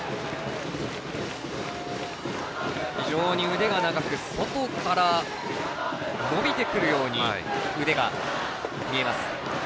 腕が長く外から伸びてくるように腕が見えます。